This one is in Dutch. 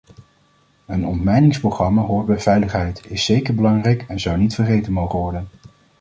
Een ontmijningsprogramma hoort bij veiligheid, is zeker belangrijk en zou niet vergeten mogen worden.